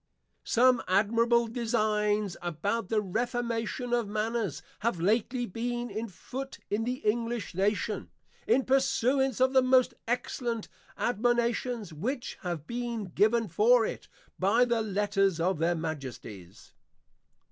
Some admirable Designs about the Reformation of Manners, have lately been on foot in the English Nation, in pursuance of the most excellent Admonitions which have been given for it, by the Letters of Their Majesties.